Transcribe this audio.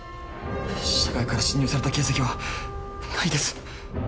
社外から侵入された形跡はないです